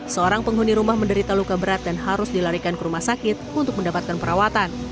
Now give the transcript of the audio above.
seorang penghuni rumah menderita luka berat dan harus dilarikan ke rumah sakit untuk mendapatkan perawatan